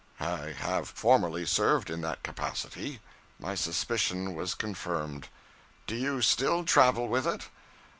'I have formerly served in that capacity.' My suspicion was confirmed. 'Do you still travel with it?'